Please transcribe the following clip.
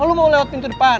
lo mau lewat pintu depan